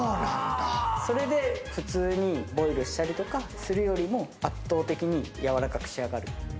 それで普通にボイルしたりとかするよりも圧倒的にやわらかく仕上がる。